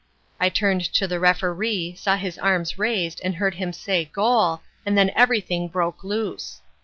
I turned to the Referee, saw his arms raised and heard him say 'Goal' and then everything broke loose.